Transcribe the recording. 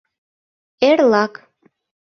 — Эрлак.